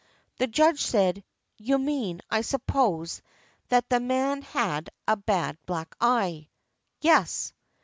The Judge said, "You mean, I suppose, that the man had a bad black eye." "Yes."